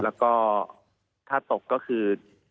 แล้วก็ถ้าตกก็คือ